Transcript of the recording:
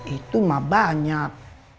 itu mah banyak